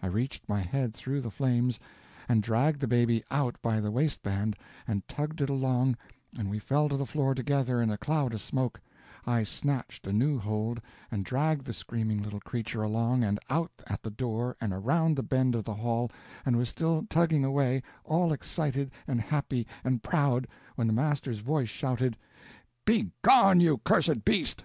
I reached my head through the flames and dragged the baby out by the waist band, and tugged it along, and we fell to the floor together in a cloud of smoke; I snatched a new hold, and dragged the screaming little creature along and out at the door and around the bend of the hall, and was still tugging away, all excited and happy and proud, when the master's voice shouted: "Begone you cursed beast!"